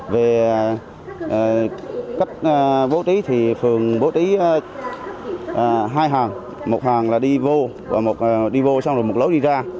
về cách bố trí thì phường bố trí hai hàng một hàng là đi vô và một đi vô xong rồi một lối đi ra